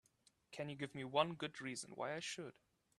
Can you give me one good reason why I should?